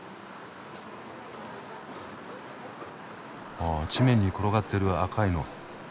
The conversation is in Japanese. あ地面に転がってる赤いの毛糸玉だ。